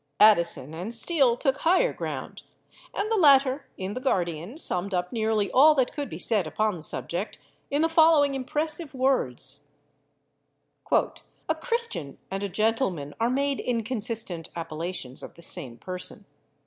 Addison and Steele took higher ground; and the latter, in the Guardian, summed up nearly all that could be said upon the subject in the following impressive words: "A Christian and a gentleman are made inconsistent appellations of the same person.